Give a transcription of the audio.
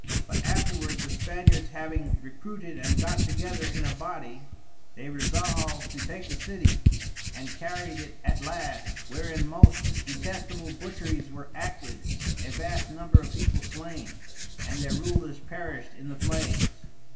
But afterward the Spaniards having recruited and got together in a Body, they resolved to take the City and carried it at last, wherein most detestable Butcheries were acted, a vast number of the people slain, and their Rulers perished in the Flames.